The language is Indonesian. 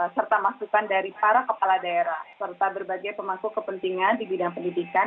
kebijakan dan kebijakan di daerah daerah serta berbagai pemangku kepentingan di bidang pendidikan